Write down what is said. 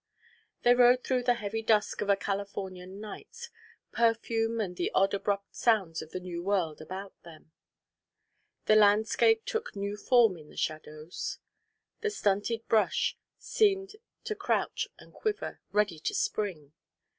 They rode through the heavy dusk of a Californian night, perfume and the odd abrupt sounds of the New World about them. The landscape took new form in the shadows. The stunted brush seemed to crouch and quiver, ready to spring.